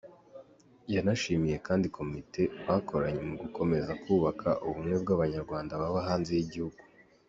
Yanashimiye kandi komite bakoranye mu gukomeza kubaka ubumwe bw’abanyarwanda baba hanze y’igihugu.